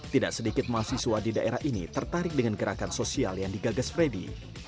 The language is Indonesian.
tidak sedikit mahasiswa di daerah ini tertarik dengan gerakan sosial yang digagas freddy